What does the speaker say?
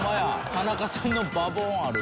田中さんの「バホーン」ある。